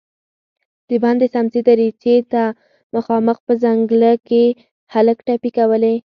د بندې سمڅې دريڅې ته مخامخ په ځنګله کې هلک ټپې کولې.